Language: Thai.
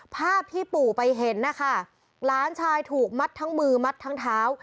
ภาพที่ปู่ไปเห็นนะคะหลานชายถูกมัดทั้งมือมัดทั้งเท้า